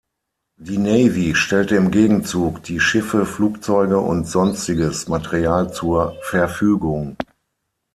Die Navy stellte im Gegenzug die Schiffe, Flugzeuge und sonstiges Material zur Verfügung.